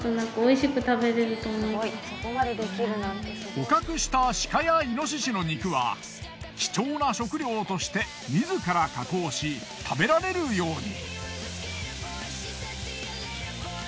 捕獲した鹿や猪の肉は貴重な食料として自ら加工し食べられるように。